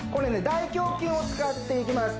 大胸筋を使っていきます